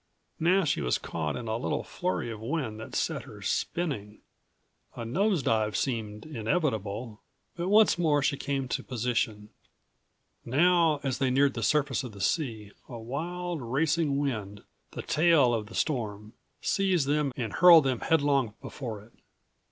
Now she was caught in a little flurry of wind that set her spinning. A nose dive seemed inevitable, but once more she came to position. Now, as they neared the surface of the sea, a wild, racing wind, the tail of the storm, seized them and hurled them headlong before it.